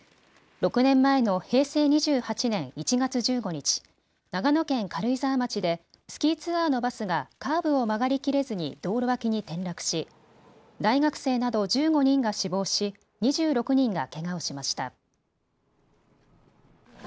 ６年前の平成２８年１月１５日、長野県軽井沢町でスキーツアーのバスがカーブを曲がりきれずに道路脇に転落し大学生など１５人が死亡し、２６人がけがをしました。